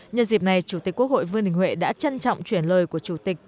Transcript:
nhân dịp này chủ tịch quốc hội vương đình huệ đã trân trọng chuyển lời của chủ tịch